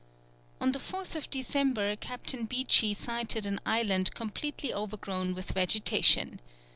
On the 4th December, Captain Beechey sighted an island completely overgrown with vegetation.